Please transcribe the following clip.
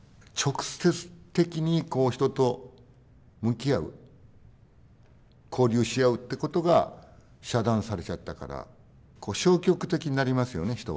直接的に人と向き合う交流し合うってことが遮断されちゃったから消極的になりますよね